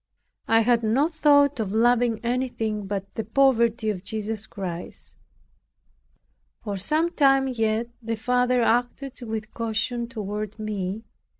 I had no thought of loving anything but the poverty of Jesus Christ. For some time yet, the Father acted with caution toward me.